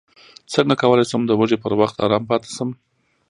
څنګه کولی شم د وږي پر وخت ارام پاتې شم